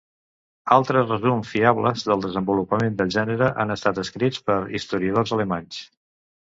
Altres resums fiables del desenvolupament del gènere han estat escrits per historiadors alemanys.